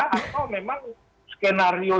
atau memang skenario